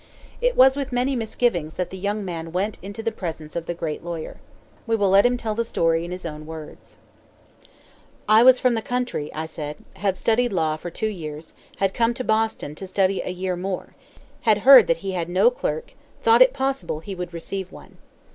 It was with many misgivings that the young man went into the presence of the great lawyer. We will let him tell the story in his own words: "I was from the country, I said; had studied law for two years; had come to Boston to study a year more; had heard that he had no clerk; thought it possible he would receive one.